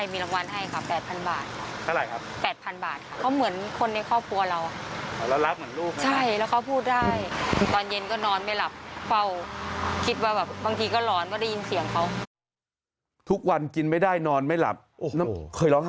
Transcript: มีคนเขาจับได้แล้วเขาไม่รู้ว่าใครเป็นเจ้าของ